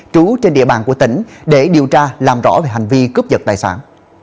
trú trên địa bàn của tỉnh để điều tra làm rõ về hành vi cướp giật tài sản